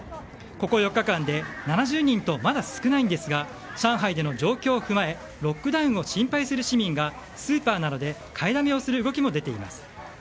ここ４日間で７０人とまだ少ないんですが上海での状況を踏まえロックダウンを心配する市民がスーパーなどで買いだめをする動きも出ています。